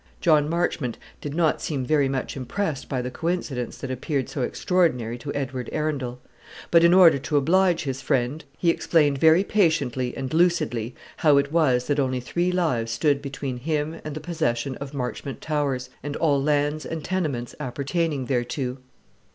John Marchmont did not seem very much impressed by the coincidence that appeared so extraordinary to Edward Arundel; but, in order to oblige his friend, he explained very patiently and lucidly how it was that only three lives stood between him and the possession of Marchmont Towers, and all lands and tenements appertaining thereto.